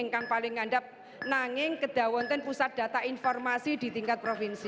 yang paling mengandalkan kedai pusat data informasi di tingkat provinsi